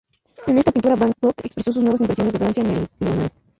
En esta pintura Van Gogh expresó sus nuevas impresiones de Francia meridional.